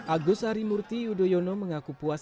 agus harimurti yudhoyono mengaku puas